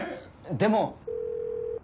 でも。